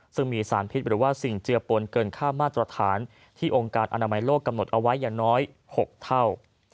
ซึ่งมีสารพิษหรือว่าสิ่งเจือปนเกินค่ามาตรฐานที่องค์การอนามัยโลกกำหนดเอาไว้อย่างน้อย๖เท่า